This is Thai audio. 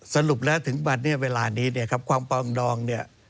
สรุปแล้วถึงวันนี้เวลานี้ความปองดอง